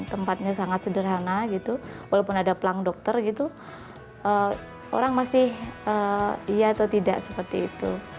tempatnya sangat sederhana gitu walaupun ada pelang dokter gitu orang masih iya atau tidak seperti itu